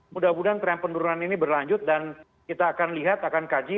mudah mudahan tren penurunan ini berlanjut dan kita akan lihat akan kaji